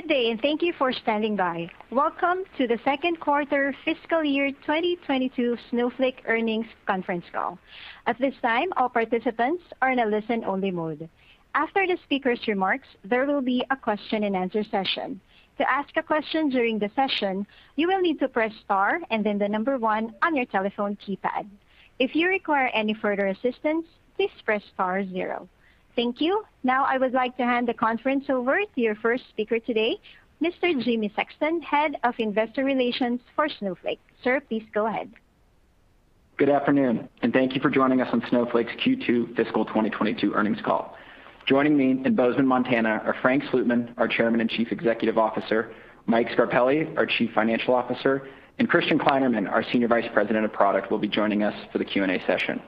Good day, and thank you for standing by. Welcome to the Second Quarter Fiscal Year 2022 Snowflake Earnings Conference Call. At this time, our participants are in a listen-only mode. After the speakers remarks, there will be a question and answer session. To ask a question during the session, you will need to press star and then the number one on your telephone keypad. If you require any further assistance, please press star zero. Thank you. Now I would like to hand the conference over to your first speaker today, Mr. Jimmy Sexton, Head of Investor Relations for Snowflake. Sir, please go ahead. Good afternoon. Thank you for joining us on Snowflake's Q2 Fiscal 2022 Earnings Call. Joining me in Bozeman, Montana, are Frank Slootman, our Chairman and Chief Executive Officer, Mike Scarpelli, our Chief Financial Officer, and Christian Kleinerman, our Senior Vice President of Product will be joining us for the Q&A session.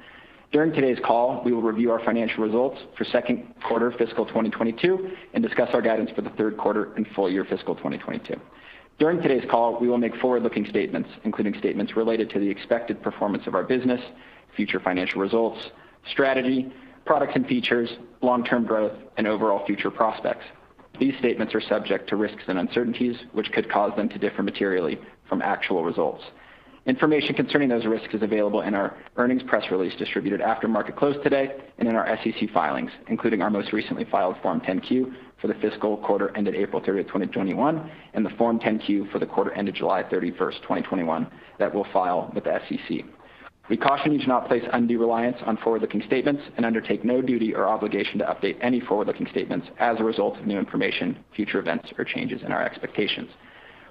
During today's call, we will review our financial results for second quarter fiscal 2022 and discuss our guidance for the third quarter and full year fiscal 2022. During today's call, we will make forward-looking statements, including statements related to the expected performance of our business, future financial results, strategy, product, and features, long-term growth, and overall future prospects. These statements are subject to risks and uncertainties, which could cause them to differ materially from actual results. Information concerning those risks is available in our earnings press release distributed after market close today, and in our SEC filings, including our most recently filed Form 10-Q for the fiscal quarter ended April 30th, 2021, and the Form 10-Q for the quarter ended July 31st, 2021, that we'll file with the SEC. We caution you to not place undue reliance on forward-looking statements and undertake no duty or obligation to update any forward-looking statements as a result of new information, future events, or changes in our expectations.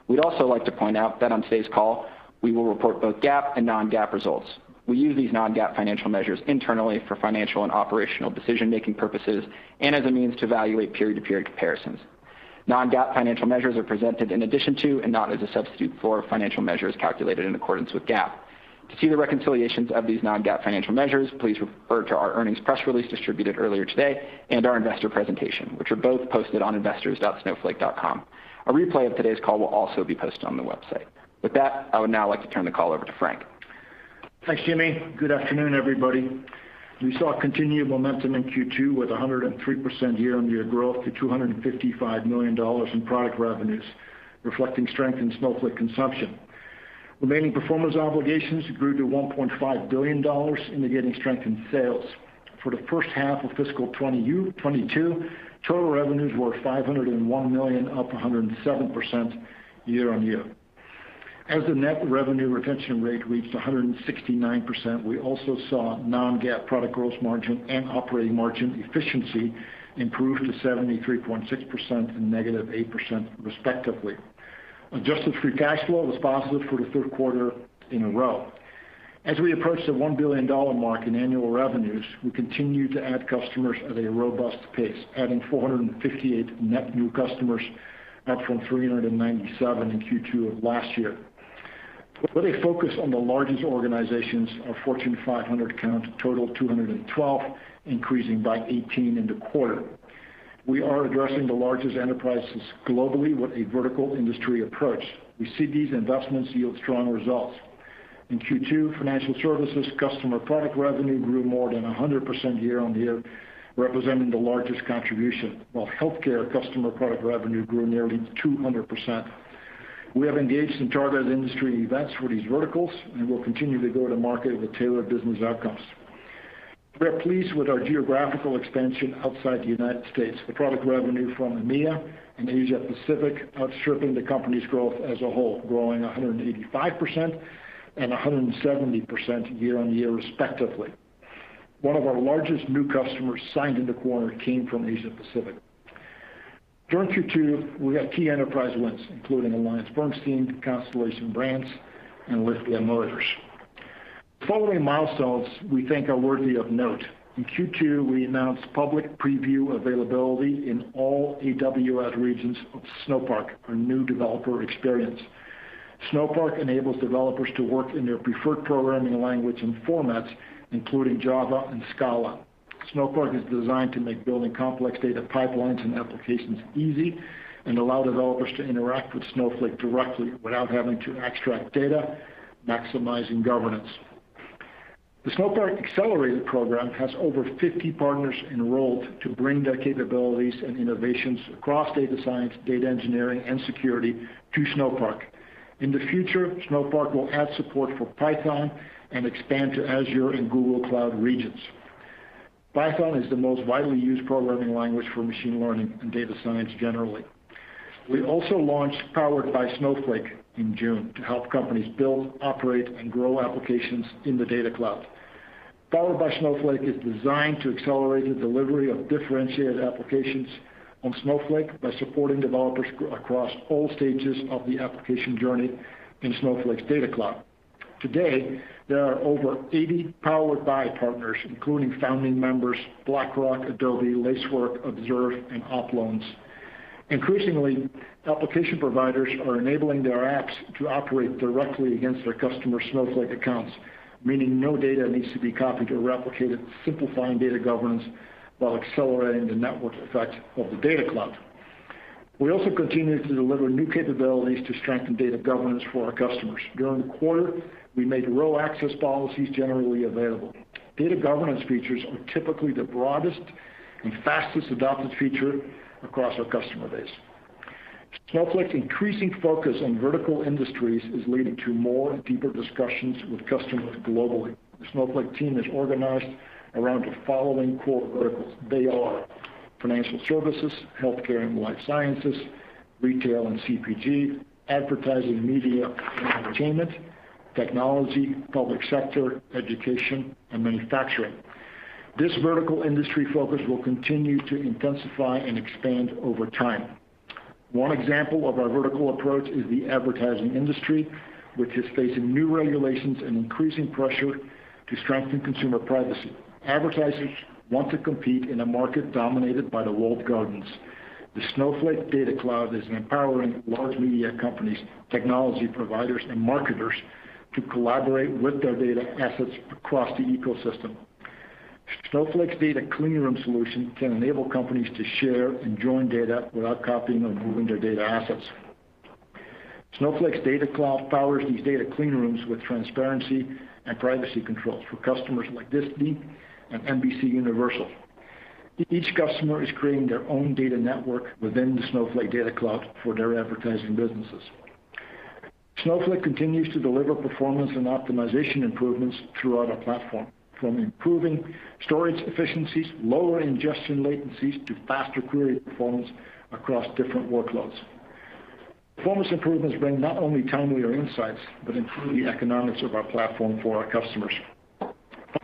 We'd also like to point out that on today's call, we will report both GAAP and non-GAAP results. We use these non-GAAP financial measures internally for financial and operational decision-making purposes, and as a means to evaluate period-to-period comparisons. Non-GAAP financial measures are presented in addition to, and not as a substitute for financial measures calculated in accordance with GAAP. To see the reconciliations of these non-GAAP financial measures, please refer to our earnings press release distributed earlier today and our investor presentation, which are both posted on investors.snowflake.com. A replay of today's call will also be posted on the website. With that, I would now like to turn the call over to Frank. Thanks, Jimmy. Good afternoon, everybody. We saw continued momentum in Q2 with 103% year-on-year growth to $255 million in product revenues, reflecting strength in Snowflake consumption. Remaining performance obligations grew to $1.5 billion, indicating strength in sales. For the first half of fiscal 2022, total revenues were $501 million, up 107% year-on-year. As the net revenue retention rate reached 169%, we also saw non-GAAP product gross margin and operating margin efficiency improve to 73.6% and -8%, respectively. Adjusted free cash flow was positive for the third quarter in a row. As we approach the $1 billion mark in annual revenues, we continue to add customers at a robust pace, adding 458 net new customers, up from 397 in Q2 of last year. With a focus on the largest organizations, our Fortune 500 count totaled 212, increasing by 18 in the quarter. We are addressing the largest enterprises globally with a vertical industry approach. We see these investments yield strong results. In Q2, financial services customer product revenue grew more than 100% year-on-year, representing the largest contribution, while healthcare customer product revenue grew nearly 200%. We have engaged in targeted industry events for these verticals, and we'll continue to go to market with tailored business outcomes. We are pleased with our geographical expansion outside the United States, with product revenue from EMEA and Asia Pacific outstripping the company's growth as a whole, growing 185% and 170% year-on-year respectively. One of our largest new customers signed in the quarter came from Asia Pacific. During Q2, we had key enterprise wins, including AllianceBernstein, Constellation Brands, and Lithia Motors. The following milestones we think are worthy of note. In Q2, we announced public preview availability in all AWS regions of Snowpark, our new developer experience. Snowpark enables developers to work in their preferred programming language and formats, including Java and Scala. Snowpark is designed to make building complex data pipelines and applications easy and allow developers to interact with Snowflake directly without having to extract data, maximizing governance. The Snowpark Accelerator Program has over 50 partners enrolled to bring their capabilities and innovations across data science, data engineering, and security to Snowpark. In the future, Snowpark will add support for Python and expand to Azure and Google Cloud regions. Python is the most widely used programming language for machine learning and data science generally. We also launched Powered by Snowflake in June to help companies build, operate, and grow applications in the Data Cloud. Powered by Snowflake is designed to accelerate the delivery of differentiated applications on Snowflake by supporting developers across all stages of the application journey in Snowflake's Data Cloud. Today, there are over 80 Powered by partners, including founding members BlackRock, Adobe, Lacework, Observe, and OppLoans. Increasingly, application providers are enabling their apps to operate directly against their customer Snowflake accounts, meaning no data needs to be copied or replicated, simplifying data governance while accelerating the network effect of the Data Cloud. We also continue to deliver new capabilities to strengthen data governance for our customers. During the quarter, we made row access policies generally available. Data governance features are typically the broadest and fastest adopted feature across our customer base. Snowflake's increasing focus on vertical industries is leading to more and deeper discussions with customers globally. The Snowflake team is organized around the following core verticals. They are financial services, healthcare and life sciences, retail and CPG, advertising, media, and entertainment, technology, public sector, education, and manufacturing. This vertical industry focus will continue to intensify and expand over time. One example of our vertical approach is the advertising industry, which is facing new regulations and increasing pressure to strengthen consumer privacy. Advertisers want to compete in a market dominated by the walled gardens. The Snowflake Data Cloud is empowering large media companies, technology providers, and marketers to collaborate with their data assets across the ecosystem. Snowflake's data clean room solution can enable companies to share and join data without copying or moving their data assets. Snowflake's Data Cloud powers these data clean rooms with transparency and privacy controls for customers like Disney and NBCUniversal. Each customer is creating their own data network within the Snowflake Data Cloud for their advertising businesses. Snowflake continues to deliver performance and optimization improvements throughout our platform, from improving storage efficiencies, lower ingestion latencies, to faster query performance across different workloads. Performance improvements bring not only timelier insights, but improve the economics of our platform for our customers.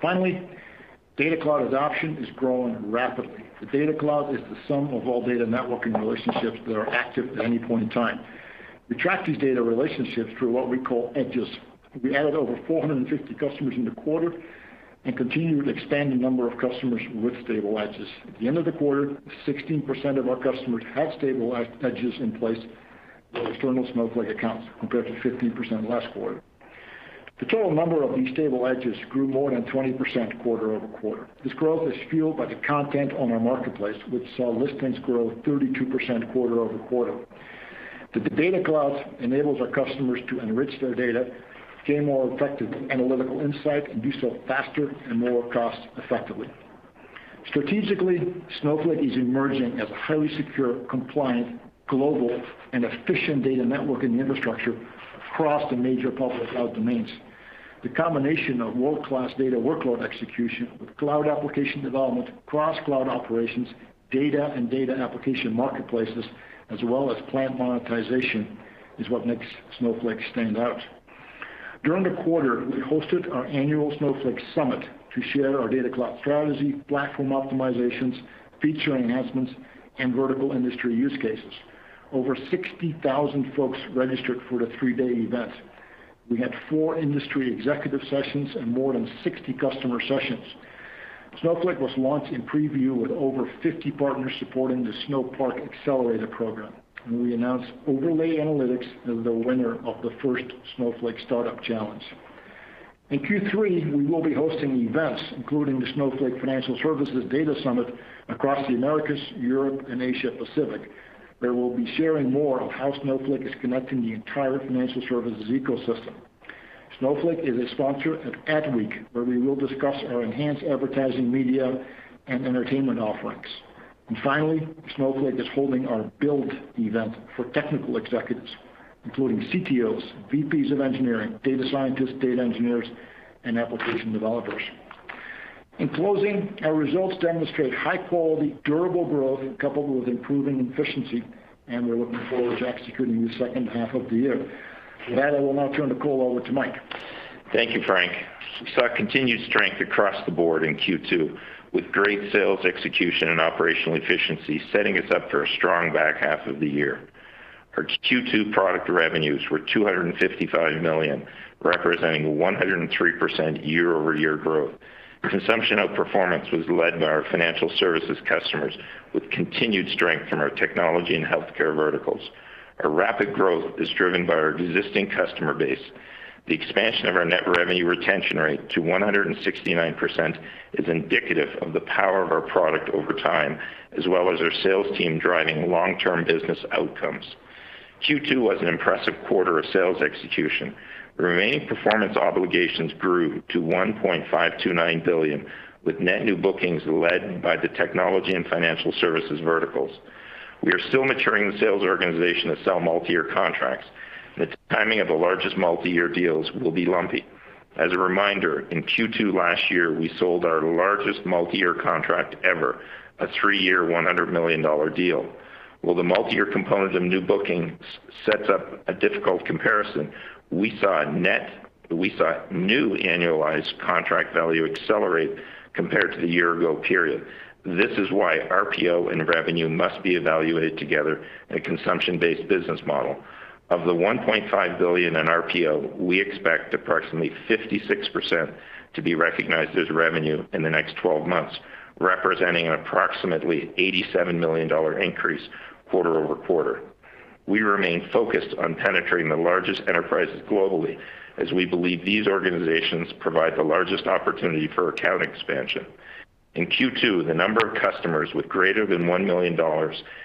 Finally, Data Cloud adoption is growing rapidly. The Data Cloud is the sum of all data networking relationships that are active at any point in time. We track these data relationships through what we call edges. We added over 450 customers in the quarter and continue to expand the number of customers with stable edges. At the end of the quarter, 16% of our customers have stable edges in place for external Snowflake accounts, compared to 15% last quarter. The total number of these stable edges grew more than 20% quarter-over-quarter. This growth is fueled by the content on our marketplace, which saw listings grow 32% quarter-over-quarter. The Data Cloud enables our customers to enrich their data, gain more effective analytical insight, and do so faster and more cost-effectively. Strategically, Snowflake is emerging as a highly secure, compliant, global, and efficient data network and infrastructure across the major public cloud domains. The combination of world-class data workload execution with cloud application development, cross-cloud operations, data and data application marketplaces, as well as planned monetization, is what makes Snowflake stand out. During the quarter, we hosted our annual Snowflake Summit to share our Data Cloud strategy, platform optimizations, feature enhancements, and vertical industry use cases. Over 60,000 folks registered for the three-day event. We had four industry executive sessions and more than 60 customer sessions. Snowflake was launched in preview with over 50 partners supporting the Snowpark Accelerator Program, and we announced OverlayAnalytics as the winner of the first Snowflake Startup Challenge. In Q3, we will be hosting events, including the Snowflake Financial Services Data Summit across the Americas, Europe, and Asia Pacific, where we'll be sharing more of how Snowflake is connecting the entire financial services ecosystem. Snowflake is a sponsor of ADWEEK, where we will discuss our enhanced advertising, media, and entertainment offerings. Finally, Snowflake is holding our BUILD event for technical executives, including CTOs, VPs of engineering, data scientists, data engineers, and application developers. In closing, our results demonstrate high-quality, durable growth coupled with improving efficiency, and we're looking forward to executing the second half of the year. With that, I will now turn the call over to Mike. Thank you, Frank. We saw continued strength across the board in Q2, with great sales execution and operational efficiency setting us up for a strong back half of the year. Our Q2 product revenues were $255 million, representing 103% year-over-year growth. Consumption outperformance was led by our financial services customers, with continued strength from our technology and healthcare verticals. Our rapid growth is driven by our existing customer base. The expansion of our net revenue retention rate to 169% is indicative of the power of our product over time, as well as our sales team driving long-term business outcomes. Q2 was an impressive quarter of sales execution. Remaining performance obligations grew to $1.529 billion, with net new bookings led by the technology and financial services verticals. We are still maturing the sales organization to sell multi-year contracts. The timing of the largest multi-year deals will be lumpy. As a reminder, in Q2 last year, we sold our largest multi-year contract ever, a three-year, $100 million deal. While the multi-year component of new bookings sets up a difficult comparison, we saw new annualized contract value accelerate compared to the year-ago period. This is why RPO and revenue must be evaluated together in a consumption-based business model. Of the $1.5 billion in RPO, we expect approximately 56% to be recognized as revenue in the next 12 months, representing an approximately $87 million increase quarter-over-quarter. We remain focused on penetrating the largest enterprises globally, as we believe these organizations provide the largest opportunity for account expansion. In Q2, the number of customers with greater than $1 million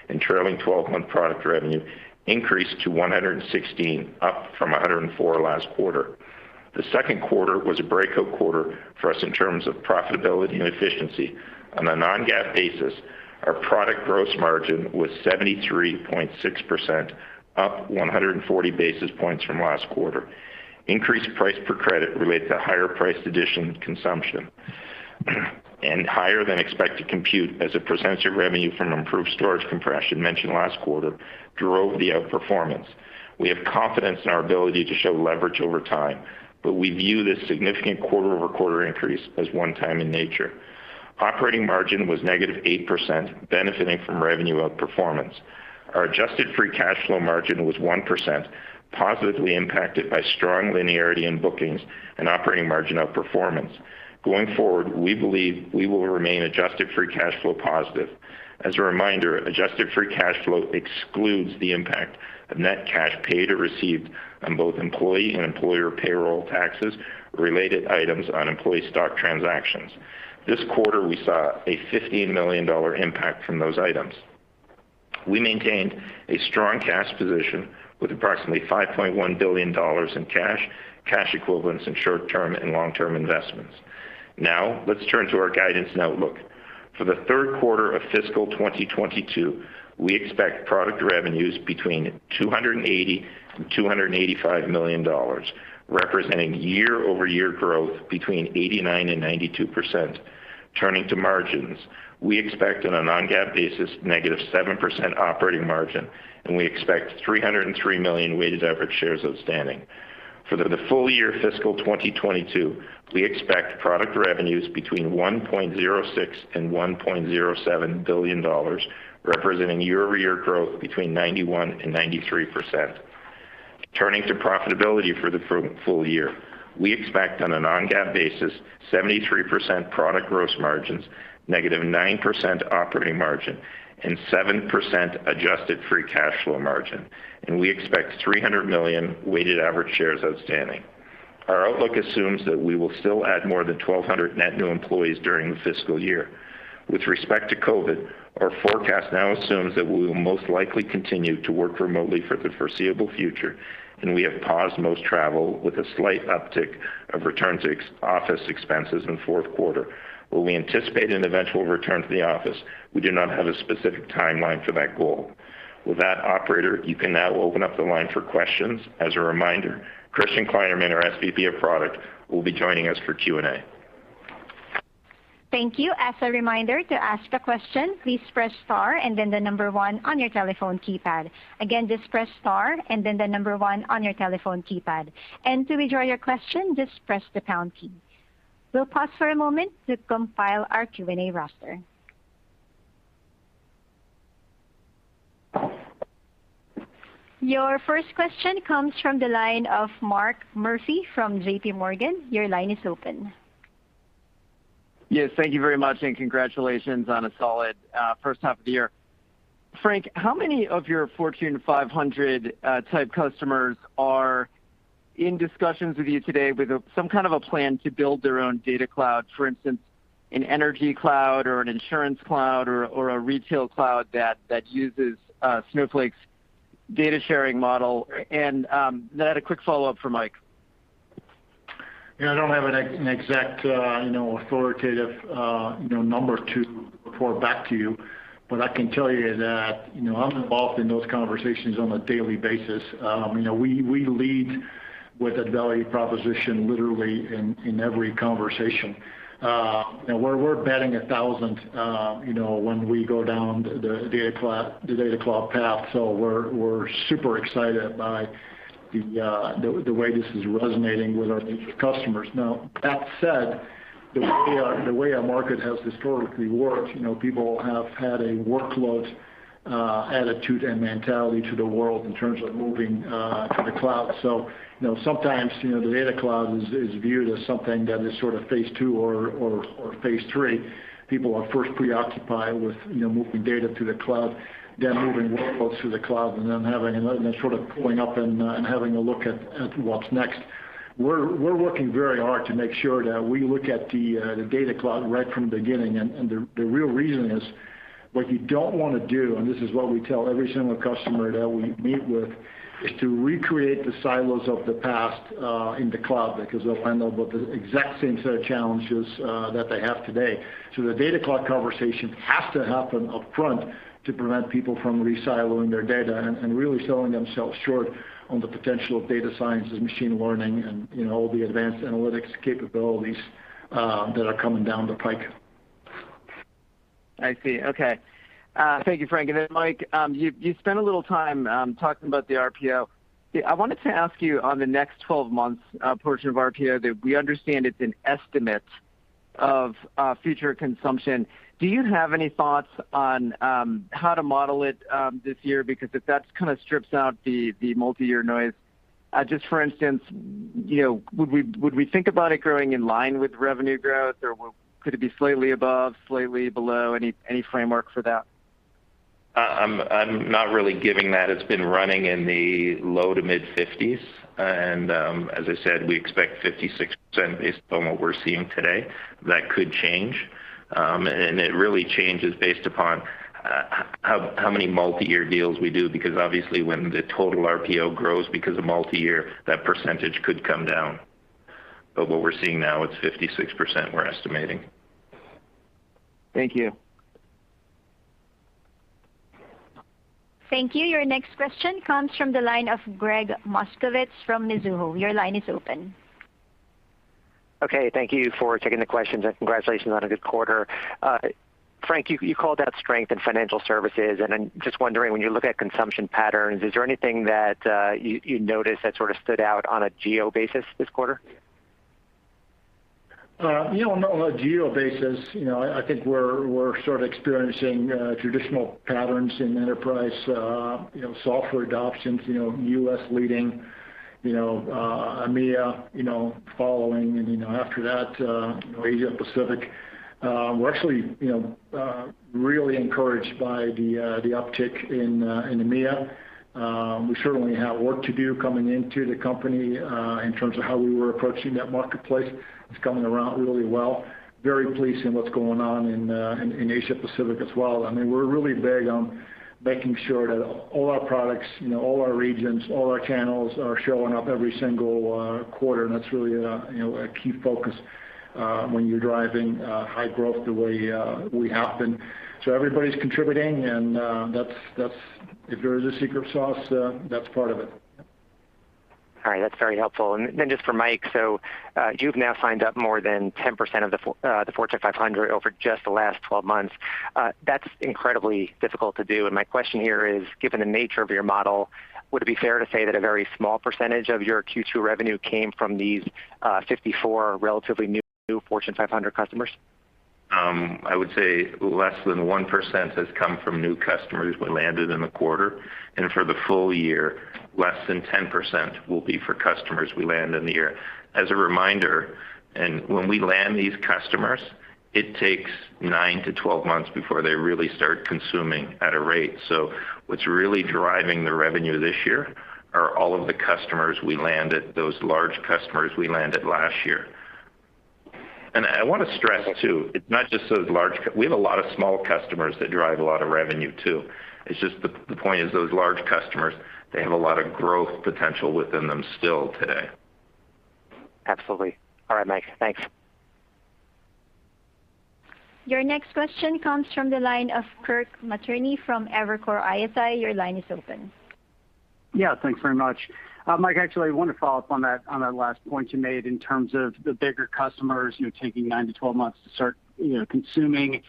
in trailing 12-month product revenue increased to 116%, up from 104% last quarter. The second quarter was a breakout quarter for us in terms of profitability and efficiency. On a non-GAAP basis, our product gross margin was 73.6%, up 140 basis points from last quarter. Increased price per credit related to higher priced addition consumption, and higher than expected compute as a percentage of revenue from improved storage compression mentioned last quarter, drove the outperformance. We have confidence in our ability to show leverage over time, but we view this significant quarter-over-quarter increase as one-time in nature. Operating margin was negative 8%, benefiting from revenue outperformance. Our adjusted free cash flow margin was 1%, positively impacted by strong linearity in bookings and operating margin outperformance. Going forward, we believe we will remain adjusted free cash flow positive. As a reminder, adjusted free cash flow excludes the impact of net cash paid or received on both employee and employer payroll taxes, related items on employee stock transactions. This quarter, we saw a $15 million impact from those items. We maintained a strong cash position with approximately $5.1 billion in cash equivalents, and short-term and long-term investments. Let's turn to our guidance and outlook. For the third quarter of fiscal 2022, we expect product revenues between $280 million and $285 million, representing year-over-year growth between 89% and 92%. Turning to margins, we expect on a non-GAAP basis -7% operating margin, and we expect 303 million weighted average shares outstanding. For the full year fiscal 2022, we expect product revenues between $1.06 billion and $1.07 billion, representing year-over-year growth between 91% and 93%. Turning to profitability for the full year, we expect on a non-GAAP basis 73% product gross margins, -9% operating margin, and 7% adjusted free cash flow margin, and we expect 300 million weighted average shares outstanding. Our outlook assumes that we will still add more than 1,200 net new employees during the fiscal year. With respect to COVID, our forecast now assumes that we will most likely continue to work remotely for the foreseeable future, and we have paused most travel with a slight uptick of return to office expenses in fourth quarter. While we anticipate an eventual return to the office, we do not have a specific timeline for that goal. With that, operator, you can now open up the line for questions. As a reminder, Christian Kleinerman, our SVP of Product, will be joining us for Q&A. Thank you. As a reminder, to ask a question, please press star and then the number one on your telephone keypad. Again, just press star and then the number one on your telephone keypad. To withdraw your question, just press the pound key. We'll pause for a moment to compile our Q&A roster. Your first question comes from the line of Mark Murphy from JPMorgan. Your line is open. Yes, thank you very much. Congratulations on a solid first half of the year. Frank, how many of your Fortune 500 type customers are in discussions with you today with some kind of a plan to build their own Data Cloud, for instance, an energy cloud or an insurance cloud or a retail cloud that uses Snowflake's data sharing model? I had a quick follow-up for Mike. I don't have an exact authoritative number to report back to you. I can tell you that I'm involved in those conversations on a daily basis. We lead with that value proposition literally in every conversation. We're betting 1,000 when we go down the Data Cloud path. We're super excited by the way this is resonating with our customers. That said, the way our market has historically worked, people have had a workload attitude and mentality to the world in terms of moving to the cloud. Sometimes, the Data Cloud is viewed as something that is phase 2 or phase 3. People are first preoccupied with moving data to the cloud, then moving workloads to the cloud, and then sort of pulling up and having a look at what's next. We're working very hard to make sure that we look at the Data Cloud right from the beginning. The real reason is, what you don't want to do, and this is what we tell every single customer that we meet with, is to recreate the silos of the past in the cloud, because they'll end up with the exact same set of challenges that they have today. The Data Cloud conversation has to happen up front to prevent people from re-siloing their data and really selling themselves short on the potential of data sciences, machine learning, and all the advanced analytics capabilities that are coming down the pike. I see. Okay. Thank you, Frank. Mike, you spent a little time talking about the RPO. I wanted to ask you on the next 12 months portion of RPO that we understand it's an estimate of future consumption. Do you have any thoughts on how to model it this year? If that kind of strips out the multi-year noise, just for instance, would we think about it growing in line with revenue growth, or could it be slightly above, slightly below? Any framework for that? I'm not really giving that. It's been running in the low to mid-50s%. As I said, we expect 56% based upon what we're seeing today. That could change. It really changes based upon how many multi-year deals we do, because obviously when the total RPO grows because of multi-year, that percentage could come down. What we're seeing now, it's 56% we're estimating. Thank you. Thank you. Your next question comes from the line of Gregg Moskowitz from Mizuho. Your line is open. Okay. Thank you for taking the questions, and congratulations on a good quarter. Frank, you called out strength in financial services, and I'm just wondering, when you look at consumption patterns, is there anything that you noticed that sort of stood out on a geo basis this quarter? No, not on a geo basis. I think we're sort of experiencing traditional patterns in enterprise software adoptions, U.S. leading, EMEA following, and after that Asia Pacific. We're actually really encouraged by the uptick in EMEA. We certainly have work to do coming into the company in terms of how we were approaching that marketplace. It's coming around really well. Very pleased in what's going on in Asia Pacific as well. We're really big on making sure that all our products, all our regions, all our channels are showing up every single quarter, and that's really a key focus when you're driving high growth the way we have been. Everybody's contributing, and if there is a secret sauce, that's part of it. All right. That's very helpful. Just for Mike, you've now signed up more than 10% of the Fortune 500 over just the last 12 months. That's incredibly difficult to do, my question here is, given the nature of your model, would it be fair to say that a very small percentage of your Q2 revenue came from these 54 relatively new Fortune 500 customers? I would say less than 1% has come from new customers we landed in the quarter. For the full year, less than 10% will be for customers we land in the year. As a reminder, when we land these customers, it takes 9-12 months before they really start consuming at a rate. What's really driving the revenue this year are all of the customers we landed, those large customers we landed last year. I want to stress, too, we have a lot of small customers that drive a lot of revenue, too. It's just the point is those large customers, they have a lot of growth potential within them still today. Absolutely. All right, Mike. Thanks. Your next question comes from the line of Kirk Materne from Evercore ISI. Your line is open. Yeah, thanks very much. Mike, actually, I want to follow up on that last point you made in terms of the bigger customers taking 9-12 months to start consuming.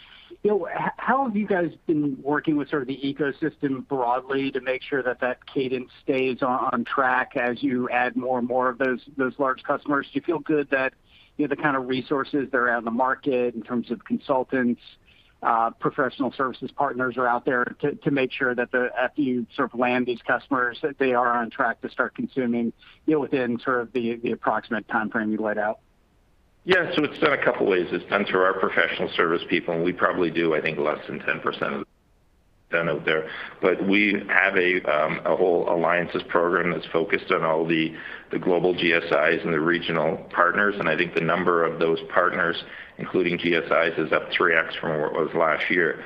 How have you guys been working with sort of the ecosystem broadly to make sure that that cadence stays on track as you add more and more of those large customers? Do you feel good that the kind of resources that are out in the market in terms of consultants, professional services partners are out there to make sure that after you sort of land these customers, that they are on track to start consuming within sort of the approximate timeframe you laid out? Yeah. It's done a couple ways. It's done through our professional service people, and we probably do, I think, less than 10%. We have a whole alliances program that's focused on all the global GSIs and the regional partners, and I think the number of those partners, including GSIs, is up 3x from where it was last year.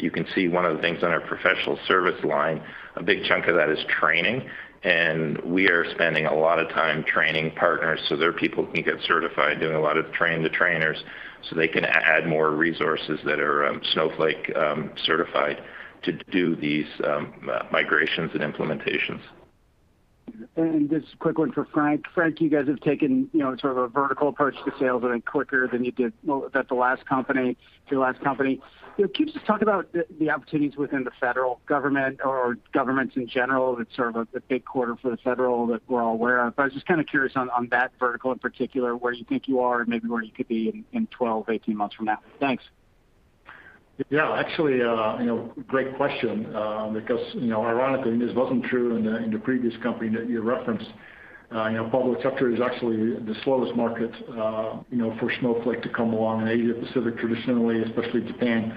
You can see one of the things on our professional service line, a big chunk of that is training, and we are spending a lot of time training partners so their people can get certified, doing a lot of train the trainers so they can add more resources that are Snowflake certified to do these migrations and implementations. Just a quick one for Frank. Frank, you guys have taken sort of a vertical approach to sales, I think quicker than you did at your last company. Can you just talk about the opportunities within the federal government or governments in general? It's sort of a big quarter for the federal that we're all aware of. I was just kind of curious on that vertical in particular, where you think you are and maybe where you could be in 12, 18 months from now. Thanks. Yeah. Actually, great question. Ironically, and this wasn't true in the previous company that you referenced, public sector is actually the slowest market for Snowflake to come along. Asia Pacific traditionally, especially Japan,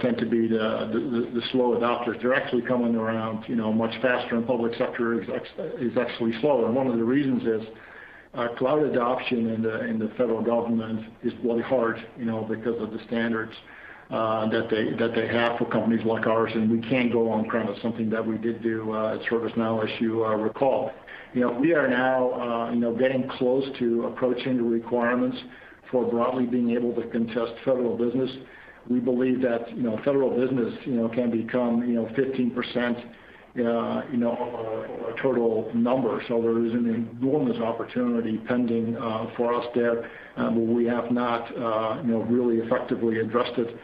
tend to be the slow adopters. They're actually coming around much faster, and public sector is actually slower. One of the reasons is cloud adoption in the Federal Government is really hard because of the standards that they have for companies like ours. We can't go on-prem. It's something that we did do at ServiceNow, as you recall. We are now getting close to approaching the requirements for broadly being able to contest Federal business. We believe that Federal business can become 15% of our total numbers. There is an enormous opportunity pending for us there, but we have not really effectively addressed it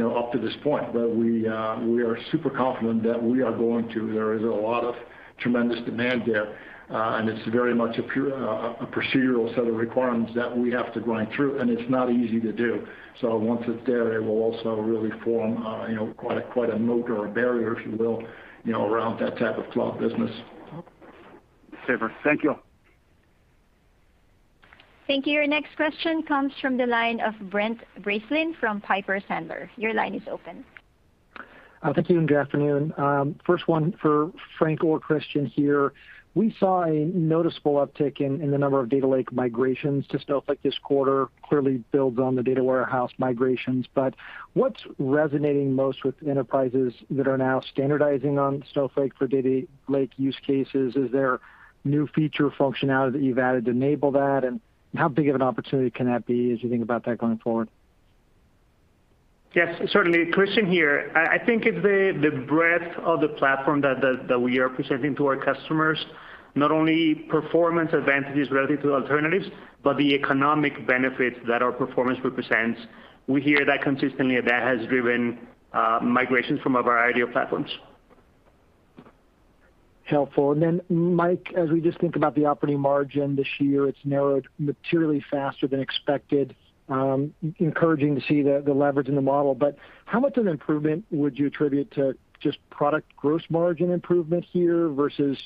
up to this point. We are super confident that we are going to. There is a lot of tremendous demand there, and it's very much a procedural set of requirements that we have to grind through, and it's not easy to do. Once it's there, it will also really form quite a moat or a barrier, if you will, around that type of cloud business. Super. Thank you. Thank you. Your next question comes from the line of Brent Bracelin from Piper Sandler. Your line is open. Thank you, and good afternoon. First one for Frank or Christian here. We saw a noticeable uptick in the number of data lake migrations to Snowflake this quarter. Clearly builds on the data warehouse migrations. What's resonating most with enterprises that are now standardizing on Snowflake for data lake use cases? Is there new feature functionality that you've added to enable that? How big of an opportunity can that be as you think about that going forward? Yes, certainly. Christian here. I think it's the breadth of the platform that we are presenting to our customers. Not only performance advantages relative to alternatives, but the economic benefits that our performance represents. We hear that consistently that has driven migrations from a variety of platforms. Helpful. Mike, as we just think about the operating margin this year, it's narrowed materially faster than expected. Encouraging to see the leverage in the model. How much of an improvement would you attribute to just product gross margin improvement here versus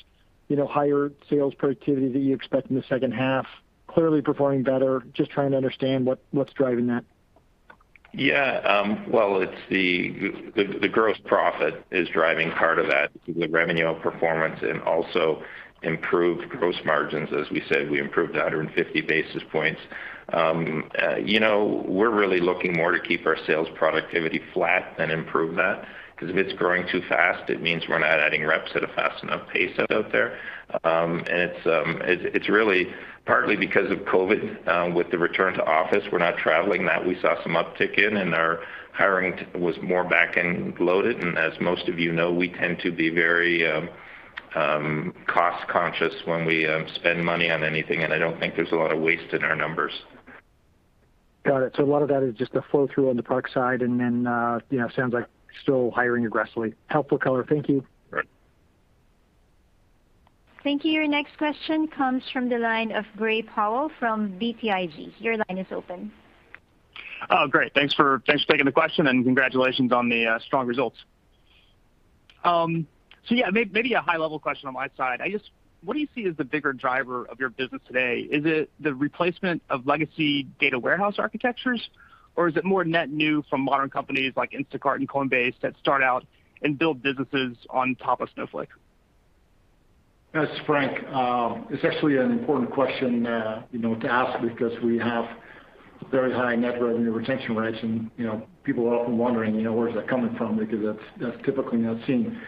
higher sales productivity that you expect in the second half? Clearly performing better, just trying to understand what's driving that. Yeah. Well, it's the gross profit is driving part of that. The revenue performance and also improved gross margins. As we said, we improved 150 basis points. We're really looking more to keep our sales productivity flat than improve that, because if it's growing too fast, it means we're not adding reps at a fast enough pace out there. It's really partly because of COVID. With the return to office, we're not traveling. That we saw some uptick in, and our hiring was more back-end loaded. As most of you know, we tend to be very cost-conscious when we spend money on anything, and I don't think there's a lot of waste in our numbers. Got it. A lot of that is just the flow-through on the product side and then, sounds like still hiring aggressively. Helpful color. Thank you. Right. Thank you. Your next question comes from the line of Gray Powell from BTIG. Your line is open. Oh, great. Thanks for taking the question and congratulations on the strong results. Yeah, maybe a high-level question on my side. What do you see as the bigger driver of your business today? Is it the replacement of legacy data warehouse architectures, or is it more net new from modern companies like Instacart and Coinbase that start out and build businesses on top of Snowflake? That's Frank. It's actually an important question to ask because we have very high net revenue retention rates, and people are often wondering where's that coming from, because that's typically not seen.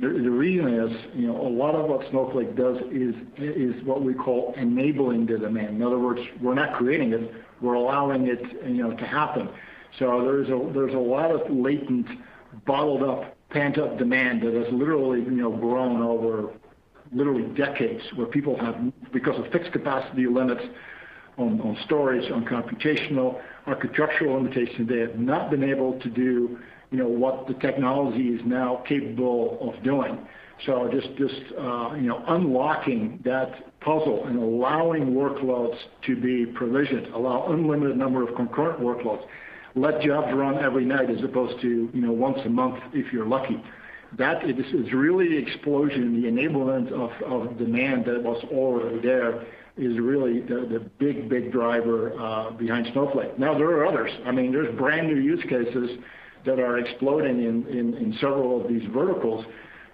The reason is, a lot of what Snowflake does is what we call enabling the demand. In other words, we're not creating it, we're allowing it to happen. There's a lot of latent, bottled-up, pent-up demand that has literally grown over literally decades, where people have, because of fixed capacity limits on storage, on computational architectural limitations, they have not been able to do what the technology is now capable of doing. Just unlocking that puzzle and allowing workloads to be provisioned, allow unlimited number of concurrent workloads, let jobs run every night as opposed to once a month if you're lucky. That is really the explosion, the enablement of demand that was already there is really the big driver behind Snowflake. Now, there are others. There's brand-new use cases that are exploding in several of these verticals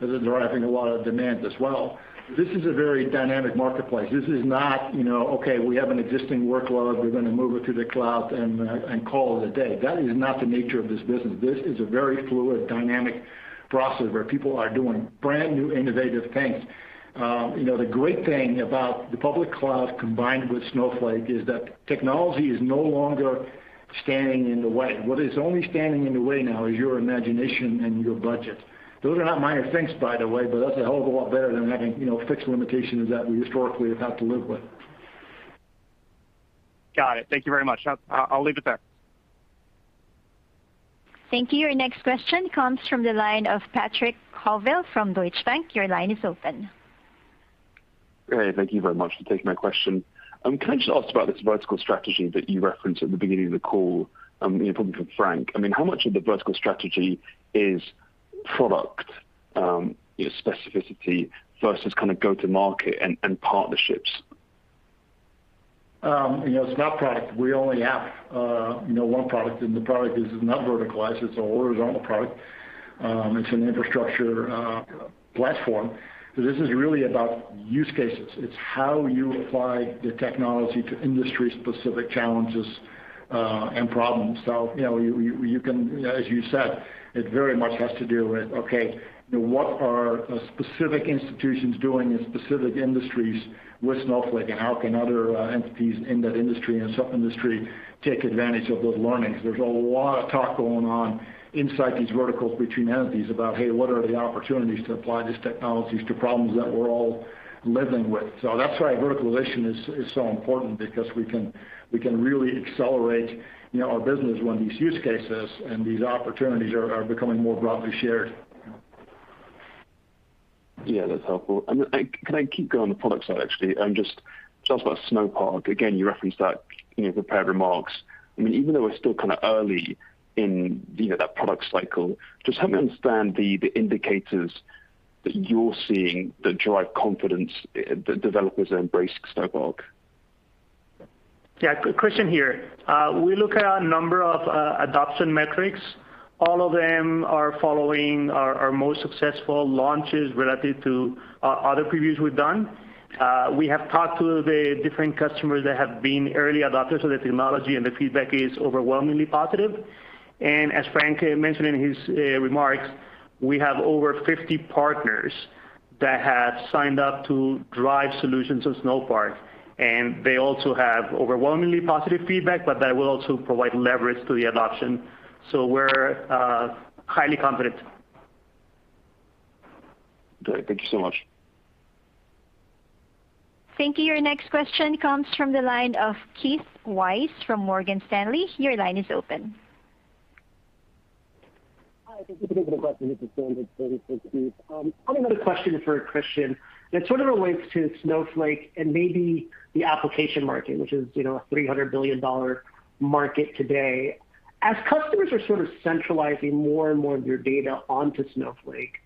that are driving a lot of demand as well. This is a very dynamic marketplace. This is not, "Okay, we have an existing workload, we're going to move it to the cloud and call it a day." That is not the nature of this business. This is a very fluid, dynamic process where people are doing brand-new innovative things. The great thing about the public cloud combined with Snowflake is that technology is no longer standing in the way. What is only standing in the way now is your imagination and your budget. Those are not minor things, by the way, but that's a hell of a lot better than having fixed limitations that we historically have had to live with. Got it. Thank you very much. I'll leave it there. Thank you. Your next question comes from the line of Patrick Colville from Deutsche Bank. Your line is open. Great. Thank you very much for taking my question. Can I just ask about this vertical strategy that you referenced at the beginning of the call? Probably for Frank. How much of the vertical strategy is product specificity versus go to market and partnerships? It's not product. We only have one product, and the product is not verticalized. It's a horizontal product. It's an infrastructure platform. This is really about use cases. It's how you apply the technology to industry-specific challenges and problems. As you said, it very much has to do with, okay, what are specific institutions doing in specific industries with Snowflake, and how can other entities in that industry and some industry take advantage of those learnings? There's a lot of talk going on inside these verticals between entities about, "Hey, what are the opportunities to apply these technologies to problems that we're all living with?" That's why verticalization is so important, because we can really accelerate our business when these use cases and these opportunities are becoming more broadly shared. Yeah, that's helpful. Can I keep going on the product side, actually, and just talk about Snowpark. Again, you referenced in your prepared remarks, even though we're still early in that product cycle, just help me understand the indicators that you're seeing that drive confidence that developers embrace Snowpark. Yeah. Christian here. We look at a number of adoption metrics. All of them are following our most successful launches relative to other previews we've done. We have talked to the different customers that have been early adopters of the technology, and the feedback is overwhelmingly positive. As Frank mentioned in his remarks, we have over 50 partners that have signed up to drive solutions on Snowpark, and they also have overwhelmingly positive feedback, but that will also provide leverage to the adoption. We're highly confident. Great. Thank you so much. Thank you. Your next question comes from the line of Keith Weiss from Morgan Stanley. Your line is open. Hi. Thank you for the question. This is. I have another question for Christian that sort of relates to Snowflake and maybe the application market, which is a $300 billion market today. As customers are sort of centralizing more and more of their data onto Snowflake,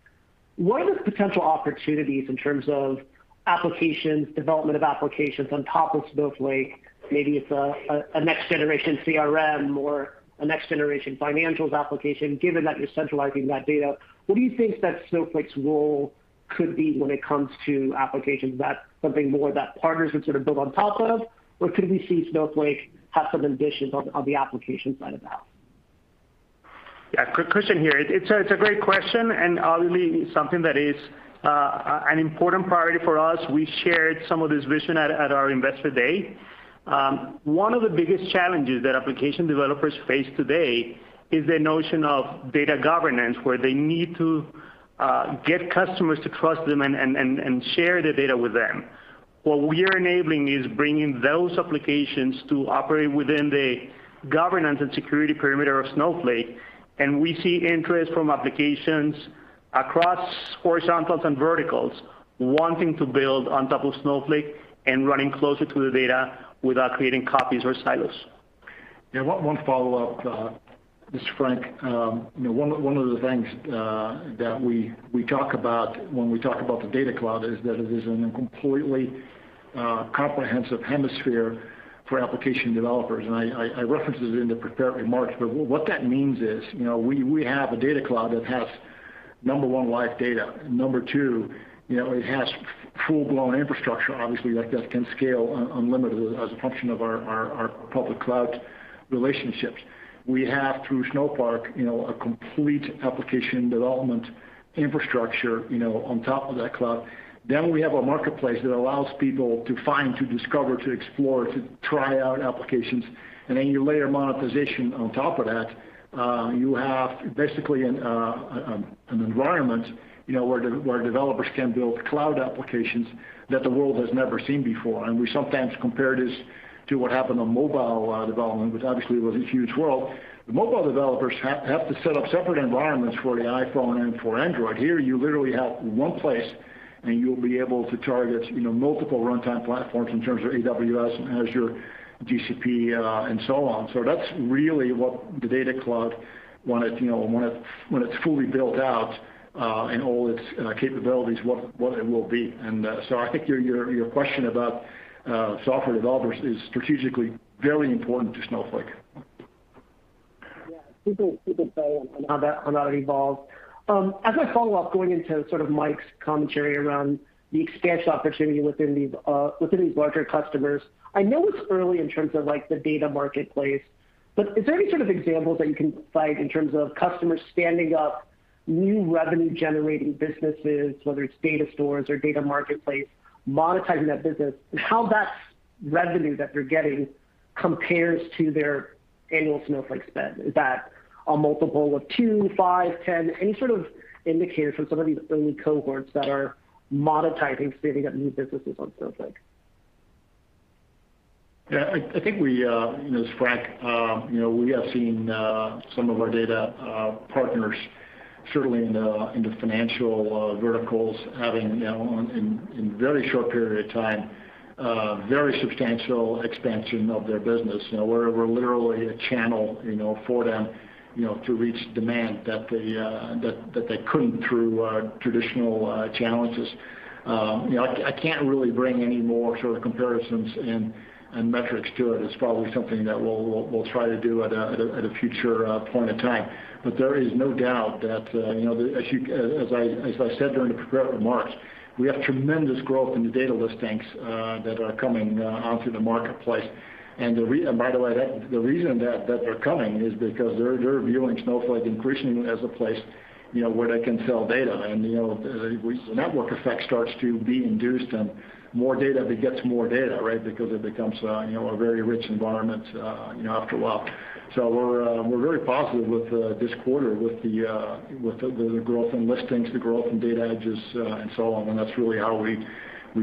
what are the potential opportunities in terms of applications, development of applications on top of Snowflake? Maybe it's a next-generation CRM or a next-generation financials application, given that you're centralizing that data. What do you think that Snowflake's role could be when it comes to applications? Is that something more that partners would sort of build on top of, or could we see Snowflake have some ambitions on the application side of the house? Yeah. Christian here. It's a great question, and obviously something that is an important priority for us. We shared some of this vision at our Investor Day. One of the biggest challenges that application developers face today is the notion of data governance, where they need to get customers to trust them and share their data with them. What we are enabling is bringing those applications to operate within the governance and security perimeter of Snowflake, and we see interest from applications across horizontals and verticals wanting to build on top of Snowflake and running closer to the data without creating copies or silos. Yeah. One follow-up. This is Frank. One of the things that we talk about when we talk about the Data Cloud is that it is a completely comprehensive hemisphere for application developers, and I referenced this in the prepared remarks. What that means is, we have a Data Cloud that has, number one, live data. Number two, it has full-blown infrastructure, obviously, that can scale unlimited as a function of our public cloud relationships. We have, through Snowpark, a complete application development infrastructure on top of that cloud. We have a marketplace that allows people to find, to discover, to explore, to try out applications. You layer monetization on top of that. You have basically an environment where developers can build cloud applications that the world has never seen before. We sometimes compare this to what happened on mobile development, which obviously was a huge world. The mobile developers have to set up separate environments for the iPhone and for Android. Here, you literally have one place, and you'll be able to target multiple runtime platforms in terms of AWS and Azure, GCP, and so on. That's really what the Data Cloud, when it's fully built out in all its capabilities, what it will be. I think your question about software developers is strategically very important to Snowflake. Yeah. Super play on how that evolved. As I follow up, going into sort of Mike's commentary around the expansion opportunity within these larger customers, I know it's early in terms of the data marketplace, is there any sort of examples that you can cite in terms of customers standing up new revenue-generating businesses, whether it's data stores or data marketplace, monetizing that business, and how that revenue that they're getting compares to their annual Snowflake spend? Is that a multiple of two, five, 10? Any sort of indicators from some of these early cohorts that are monetizing, standing up new businesses on Snowflake? Yeah. This is Frank. We have seen some of our data partners, certainly in the financial verticals, having, in a very short period of time, very substantial expansion of their business. We're literally a channel for them to reach demand that they couldn't through traditional channels. I can't really bring any more sort of comparisons and metrics to it. It's probably something that we'll try to do at a future point in time. There is no doubt that, as I said during the prepared remarks, we have tremendous growth in the data listings that are coming onto the marketplace. By the way, the reason that they're coming is because they're viewing Snowflake and Christian as a place where they can sell data. The network effect starts to be induced, and more data begets more data, right? It becomes a very rich environment after a while. We're very positive with this quarter with the growth in listings, the growth in data edges, and so on. That's really how we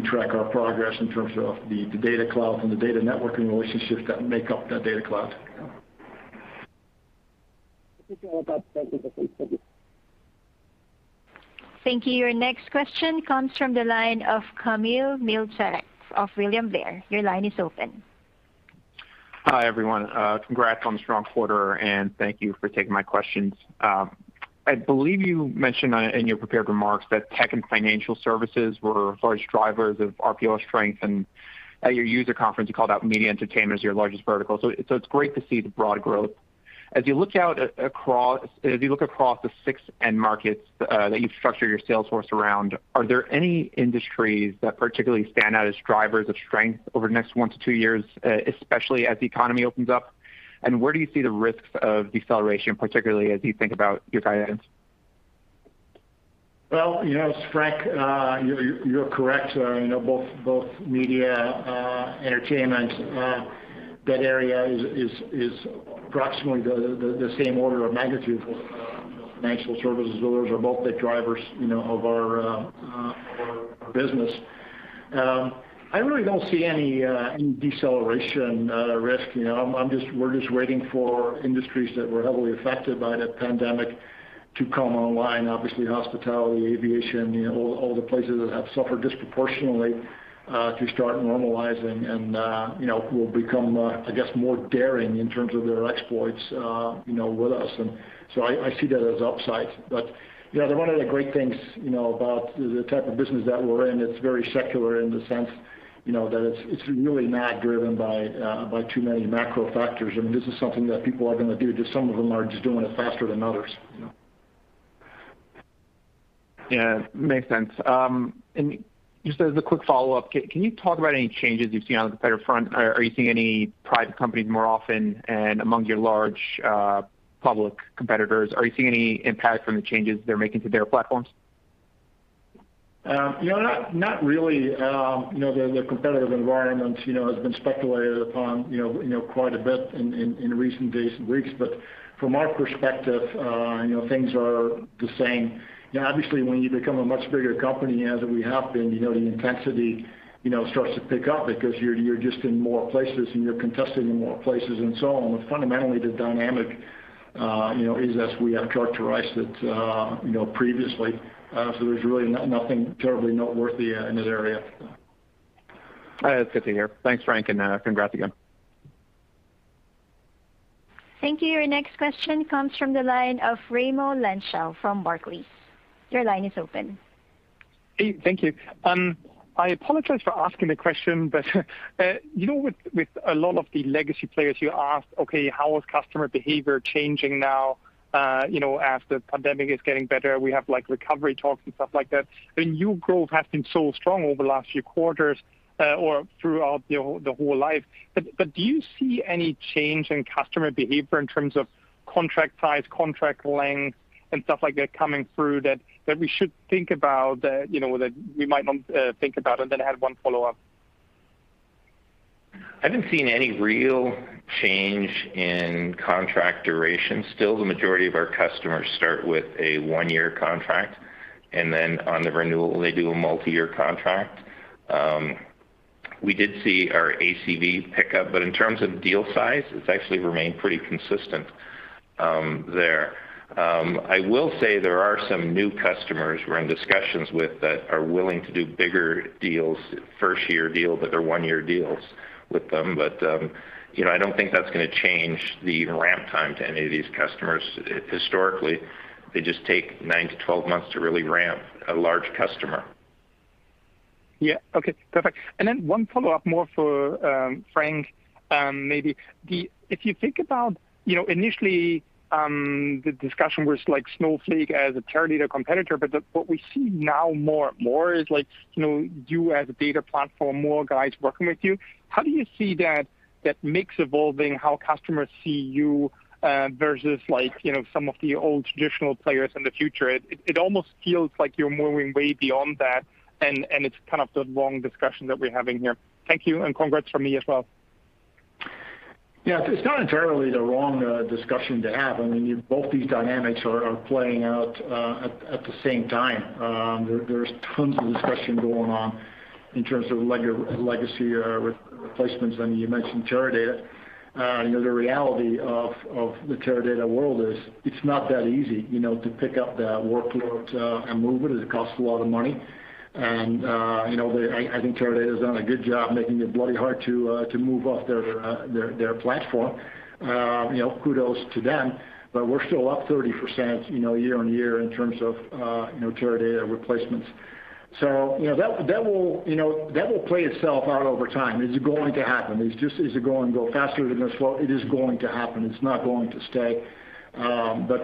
track our progress in terms of the Data Cloud and the data networking relationships that make up that Data Cloud. Thank you. Your next question comes from the line of Kamil Mielczarek of William Blair. Your line is open. Hi, everyone. Congrats on the strong quarter, and thank you for taking my questions. I believe you mentioned in your prepared remarks that tech and financial services were large drivers of RPO strength, and at your user conference, you called out media entertainment as your largest vertical. It's great to see the broad growth. As you look across the six end markets that you structure your sales force around, are there any industries that particularly stand out as drivers of strength over the next one to two years, especially as the economy opens up? Where do you see the risks of deceleration, particularly as you think about your guidance? Well, Frank, you're correct. Both media entertainment, that area is approximately the same order of magnitude for financial services. Those are both the drivers of our business. I really don't see any deceleration risk. We're just waiting for industries that were heavily affected by the pandemic to come online. Obviously, hospitality, aviation, all the places that have suffered disproportionately to start normalizing and will become, I guess, more daring in terms of their exploits with us. I see that as upside. One of the great things about the type of business that we're in, it's very secular in the sense that it's really not driven by too many macro factors. This is something that people are going to do, just some of them are just doing it faster than others. Yeah. Makes sense. Just as a quick follow-up, can you talk about any changes you've seen on the competitor front? Are you seeing any private companies more often? Among your large public competitors, are you seeing any impact from the changes they're making to their platforms? Not really. The competitive environment has been speculated upon quite a bit in recent days and weeks. From our perspective, things are the same. Obviously, when you become a much bigger company, as we have been, the intensity starts to pick up because you're just in more places and you're contesting in more places and so on. Fundamentally, the dynamic is as we have characterized it previously. There's really nothing terribly noteworthy in that area. That's good to hear. Thanks, Frank, and congrats again. Thank you. Your next question comes from the line of Raimo Lenschow from Barclays. Your line is open. Hey, thank you. I apologize for asking the question, but with a lot of the legacy players, you asked, okay, how is customer behavior changing now as the pandemic is getting better? We have recovery talks and stuff like that, and your growth has been so strong over the last few quarters or throughout the whole life. Do you see any change in customer behavior in terms of contract size, contract length and stuff like that coming through that we should think about, that we might not think about? I have one follow-up. I haven't seen any real change in contract duration. Still, the majority of our customers start with a 1-year contract, and then on the renewal, they do a multi-year contract. In terms of deal size, it's actually remained pretty consistent there. I will say there are some new customers we're in discussions with that are willing to do bigger deals, first-year deals that are one-year deals with them. I don't think that's going to change the ramp time to any of these customers historically. They just take 9-12 months to really ramp a large customer. Yeah. Okay, perfect. Then one follow-up more for Frank, maybe. If you think about initially, the discussion was Snowflake as a Teradata competitor, but what we see now more and more is you as a data platform, more guys working with you. How do you see that mix evolving, how customers see you versus some of the old traditional players in the future? It almost feels like you're moving way beyond that, and it's kind of the wrong discussion that we're having here. Thank you, congrats from me as well. Yeah. It's not entirely the wrong discussion to have. Both these dynamics are playing out at the same time. There's tons of discussion going on in terms of legacy replacements. You mentioned Teradata. The reality of the Teradata world is it's not that easy to pick up that workload and move it. It costs a lot of money. I think Teradata's done a good job making it bloody hard to move off their platform. Kudos to them. We're still up 30% year-over-year in terms of Teradata replacements. That will play itself out over time. It's going to happen. It's just, is it going to go faster than slow? It is going to happen. It's not going to stay.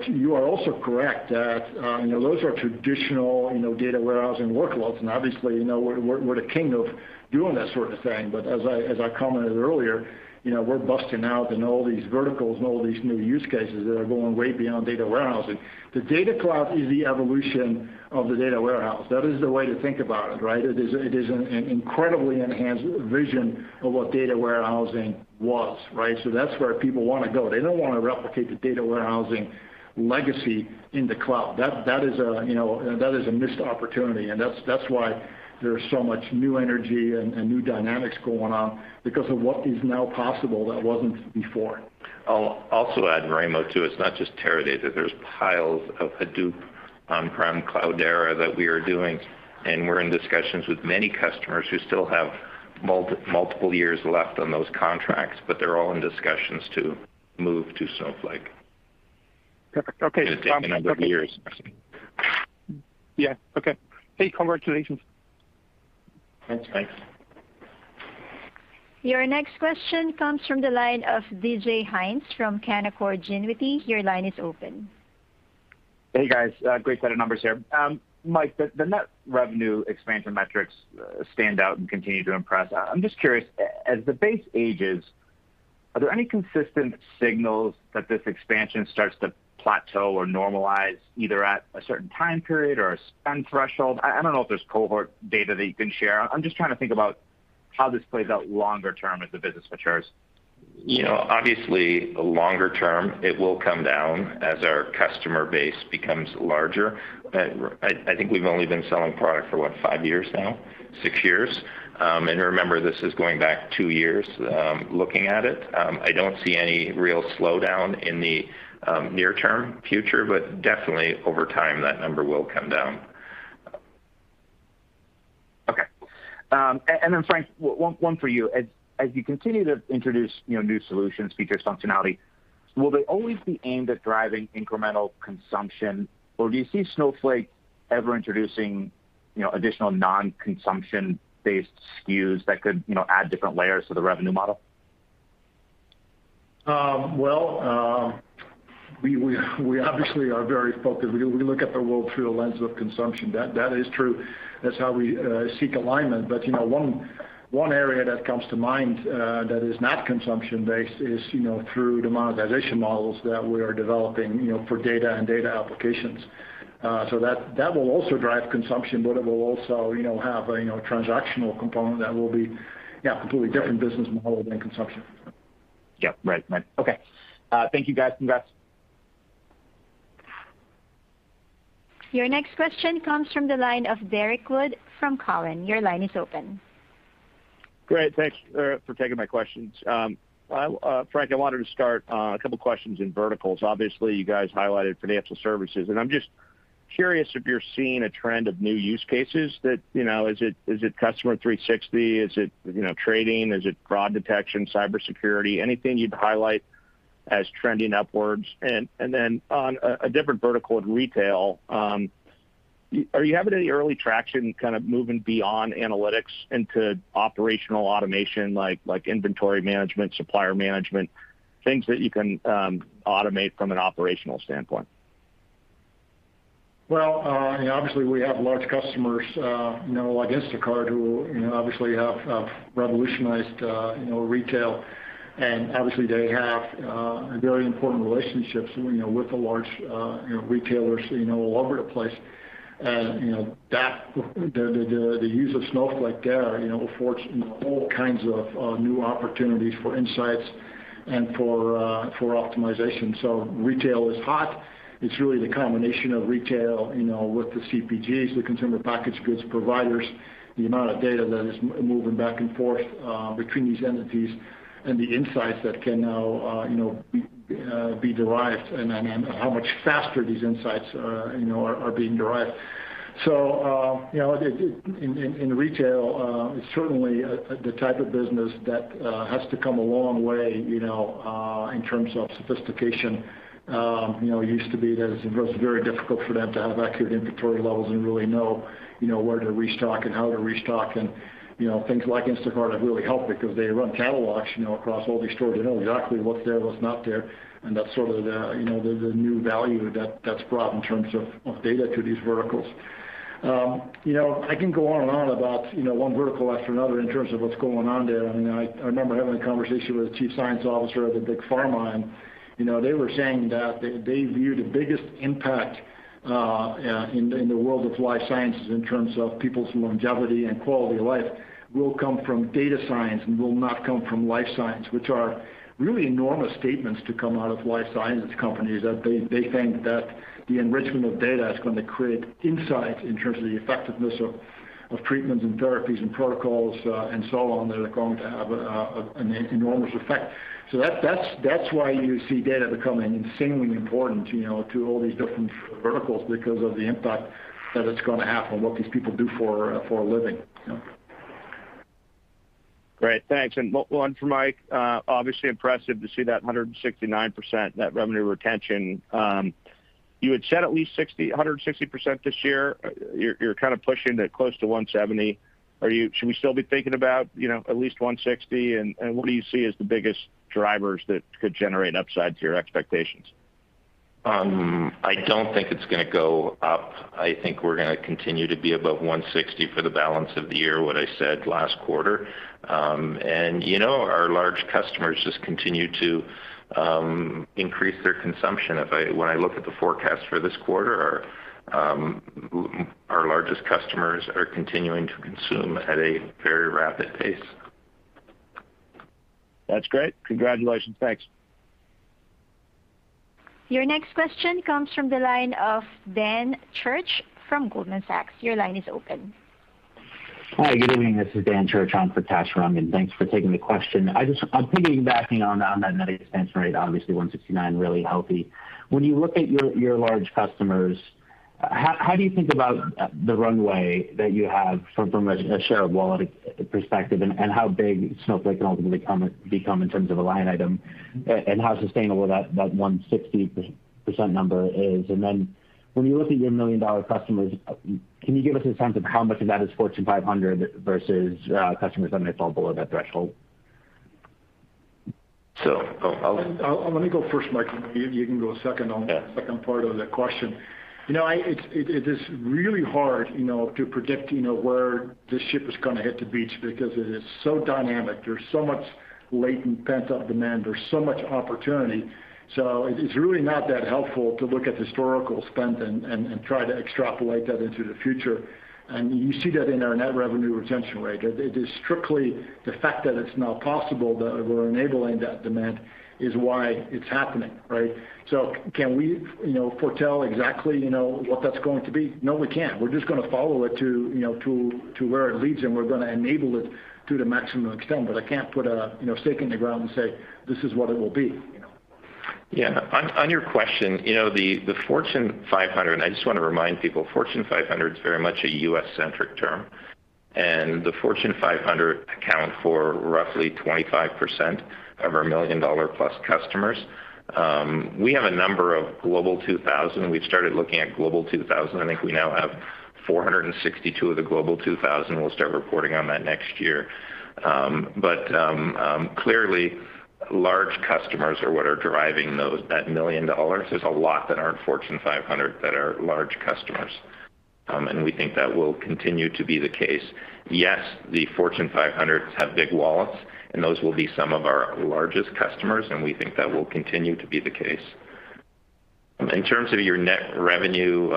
You are also correct that those are traditional data warehousing workloads, and obviously, we're the king of doing that sort of thing. As I commented earlier, we're busting out in all these verticals and all these new use cases that are going way beyond data warehousing. The Data Cloud is the evolution of the data warehouse. That is the way to think about it, right? It is an incredibly enhanced vision of what data warehousing was, right? That's where people want to go. They don't want to replicate the data warehousing legacy in the cloud. That is a missed opportunity, and that's why there is so much new energy and new dynamics going on because of what is now possible that wasn't before. I'll also add, Raimo, too, it's not just Teradata. There's piles of Hadoop on-prem Cloudera that we are doing. We're in discussions with many customers who still have multiple years left on those contracts. They're all in discussions to move to Snowflake. Perfect. Okay. It's going to take a number of years. Yeah. Okay. Hey, congratulations. Thanks. Your next question comes from the line of DJ Hynes from Canaccord Genuity. Your line is open. Hey, guys. Great set of numbers here. Mike, the net revenue expansion metrics stand out and continue to impress. I'm just curious, as the base ages, are there any consistent signals that this expansion starts to plateau or normalize either at a certain time period or a spend threshold? I don't know if there's cohort data that you can share. I'm just trying to think about how this plays out longer term as the business matures. Obviously, longer term, it will come down as our customer base becomes larger. I think we've only been selling product for what, five years now? six years. Remember, this is going back two years, looking at it. I don't see any real slowdown in the near-term future, but definitely over time, that number will come down. Okay. Frank, one for you. As you continue to introduce new solutions, features, functionality, will they always be aimed at driving incremental consumption, or do you see Snowflake ever introducing additional non-consumption-based SKUs that could add different layers to the revenue model? Well, we obviously are very focused. We look at the world through a lens of consumption. That is true. That's how we seek alignment. One area that comes to mind that is not consumption-based is through the monetization models that we are developing for data and data applications. That will also drive consumption, but it will also have a transactional component that will be, yeah, a completely different business model than consumption. Yeah. Right. Okay. Thank you, guys. Congrats. Your next question comes from the line of Derrick Wood from Cowen. Your line is open. Great. Thanks for taking my questions. Frank, I wanted to start two questions in verticals. Obviously, you guys highlighted financial services, I'm just curious if you're seeing a trend of new use cases. Is it Customer 360? Is it trading? Is it fraud detection, cybersecurity? Anything you'd highlight as trending upwards? Then on a different vertical, in retail, are you having any early traction kind of moving beyond analytics into operational automation, like inventory management, supplier management, things that you can automate from an operational standpoint? Well, obviously we have large customers, like Instacart, who obviously have revolutionized retail. Obviously they have very important relationships with the large retailers all over the place. The use of Snowflake there will forge all kinds of new opportunities for insights and for optimization. Retail is hot. It's really the combination of retail with the CPGs, the consumer packaged goods providers, the amount of data that is moving back and forth between these entities, and the insights that can now be derived, and how much faster these insights are being derived. In retail, it's certainly the type of business that has to come a long way in terms of sophistication. It used to be that it was very difficult for them to have accurate inventory levels and really know where to restock and how to restock. Things like Instacart have really helped because they run catalogs across all these stores. They know exactly what's there, what's not there. That's sort of the new value that's brought in terms of data to these verticals. I can go on and on about one vertical after another in terms of what's going on there. I remember having a conversation with a chief science officer at a big pharma. They were saying that they view the biggest impact in the world of life sciences in terms of people's longevity and quality of life will come from data science and will not come from life science, which are really enormous statements to come out of life sciences companies. That they think that the enrichment of data is going to create insights in terms of the effectiveness of treatments and therapies and protocols and so on, that are going to have an enormous effect. That's why you see data becoming insanely important to all these different verticals, because of the impact that it's going to have on what these people do for a living. Great, thanks. One for Mike. Obviously impressive to see that 169%, that revenue retention. You had said at least 160% this year. You're kind of pushing it close to 170%. Should we still be thinking about at least 160%, and what do you see as the biggest drivers that could generate upside to your expectations? I don't think it's going to go up. I think we're going to continue to be above 160% for the balance of the year, what I said last quarter. Our large customers just continue to increase their consumption. When I look at the forecast for this quarter, our largest customers are continuing to consume at a very rapid pace. That's great. Congratulations. Thanks. Your next question comes from the line of Dan Church from Goldman Sachs. Your line is open. Hi, good evening. This is Dan Church on for Kash Rangan. Thanks for taking the question. I'm piggybacking on that net expense rate, obviously 169%, really healthy. When you look at your large customers, how do you think about the runway that you have from a share of wallet perspective, and how big Snowflake can ultimately become in terms of a line item, and how sustainable that 160% number is? When you look at your million-dollar customers, can you give us a sense of how much of that is Fortune 500 versus customers that may fall below that threshold? So I'll- Let me go first, Mike. You can go second on the second part of the question. It is really hard to predict where this ship is going to hit the beach because it is so dynamic. There's so much latent pent-up demand. There's so much opportunity. It's really not that helpful to look at historical spend and try to extrapolate that into the future. You see that in our net revenue retention rate. It is strictly the fact that it's now possible that we're enabling that demand is why it's happening, right? Can we foretell exactly what that's going to be? No, we can't. We're just going to follow it to where it leads, and we're going to enable it to the maximum extent. I can't put a stake in the ground and say, "This is what it will be. Yeah. On your question, the Fortune 500, I just want to remind people, Fortune 500's very much a U.S.-centric term. The Fortune 500 account for roughly 25% of our million-dollar-plus customers. We have a number of Global 2000. We've started looking at Global 2000. I think we now have 462 of the Global 2000. We'll start reporting on that next year. Clearly, large customers are what are driving that $1 million. There's a lot that aren't Fortune 500 that are large customers. We think that will continue to be the case. Yes, the Fortune 500 have big wallets, and those will be some of our largest customers, and we think that will continue to be the case. In terms of your net revenue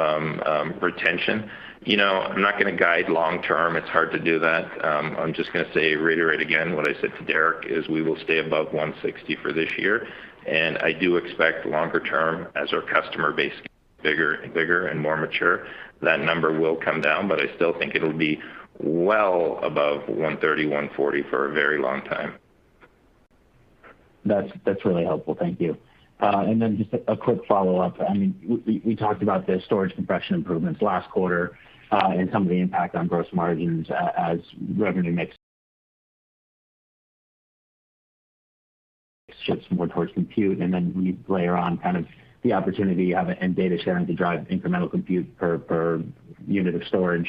retention, I'm not going to guide long-term. It's hard to do that. I'm just going to reiterate again what I said to Derrick, is we will stay above 160% for this year. I do expect longer term, as our customer base gets bigger and bigger and more mature, that number will come down, but I still think it'll be well above 130%-140% for a very long time. That's really helpful. Thank you. Just a quick follow-up. We talked about the storage compression improvements last quarter and some of the impact on gross margins as revenue mix shifts more towards compute. You layer on the opportunity you have in data sharing to drive incremental compute per unit of storage.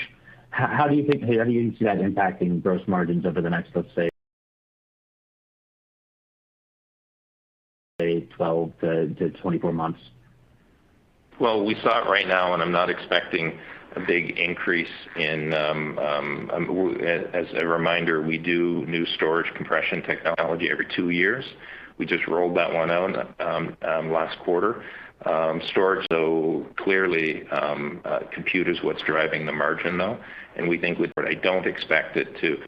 How do you see that impacting gross margins over the next, let's say, 12-24 months? Well, we saw it right now. I'm not expecting a big increase. As a reminder, we do new storage compression technology every two years. We just rolled that one out last quarter. Storage, though clearly, compute is what's driving the margin, though. We think I don't expect it to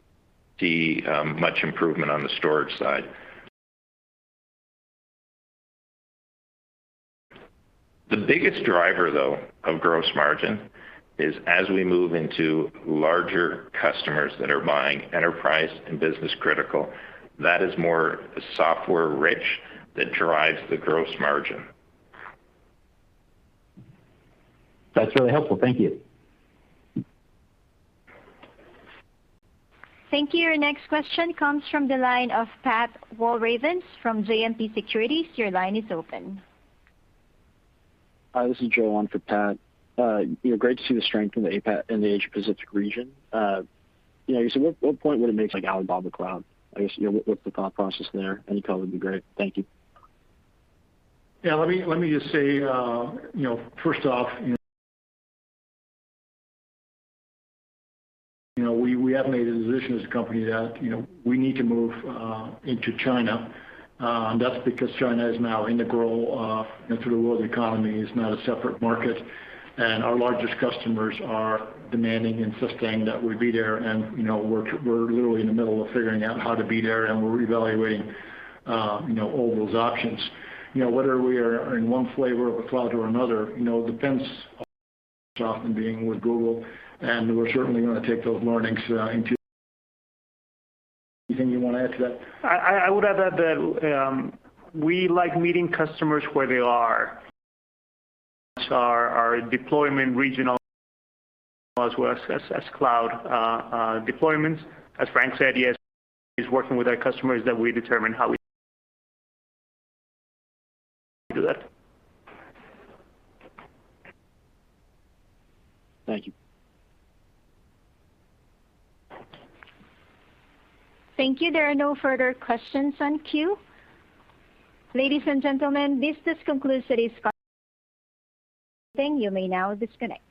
see much improvement on the storage side. The biggest driver, though, of gross margin is as we move into larger customers that are buying enterprise and business-critical, that is more software-rich that drives the gross margin. That's really helpful. Thank you. Thank you. Your next question comes from the line of Pat Walravens from JMP Securities. Your line is open. Hi, this is Joe on for Pat. Great to see the strength in the Asia Pacific region. You said what point would it make Alibaba Cloud? I guess, what's the thought process there? Any color would be great. Thank you. Yeah, let me just say, first off, we have made a decision as a company that we need to move into China. That's because China is now integral into the world economy. It's not a separate market. Our largest customers are demanding, insisting that we be there. We're literally in the middle of figuring out how to be there, and we're evaluating all those options. Whether we are in one flavor of a cloud or another, depends often being with Google. Anything you want to add to that? I would add that we like meeting customers where they are. Our deployment regional as well as cloud deployments. As Frank said, he is working with our customers that we determine how we do that. Thank you. Thank you. There are no further questions in queue. Ladies and gentlemen, this does conclude today's conference call. You may now disconnect.